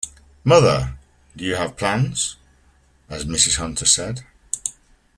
Mother, do you have plans, as Mrs. Hunter said?